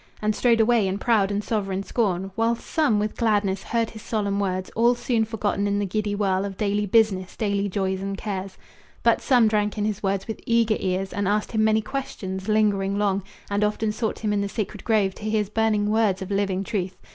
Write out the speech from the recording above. And strode away in proud and sovereign scorn; While some with gladness heard his solemn words, All soon forgotten in the giddy whirl Of daily business, daily joys and cares. But some drank in his words with eager ears, And asked him many questions, lingering long, And often sought him in the sacred grove To hear his burning words of living truth.